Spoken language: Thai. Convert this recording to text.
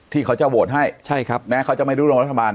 ที่เขาจะโหวตให้แม้เขาจะไม่รู้รัฐบาล